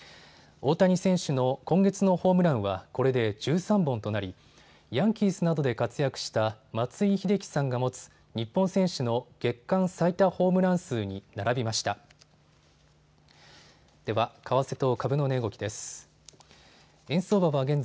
大谷選手の今月のホームランはこれで１３本となりヤンキースなどで活躍した松井秀喜さんが持つ日本選手の月間最多ホームラン数に並びました。